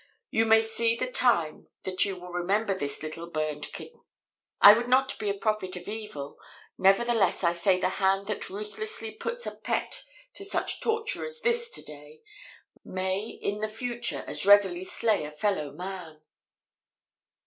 You may see the time that you will remember this little burned kitten. I would not be a prophet of evil, nevertheless, I say the hand that ruthlessly puts a pet to such torture as this to day may in in the future as readily slay a fellow man."